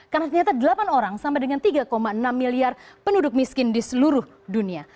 karena ternyata delapan orang sama dengan tiga enam miliar penduduk miskin di seluruh dunia